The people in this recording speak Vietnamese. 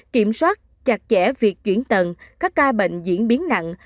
kiểm soát chặt chẽ việc chuyển tận các ca bệnh diễn biến nặng